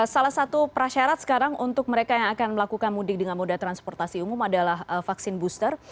salah satu prasyarat sekarang untuk mereka yang akan melakukan mudik dengan moda transportasi umum adalah vaksin booster